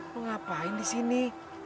lo ngapain di sini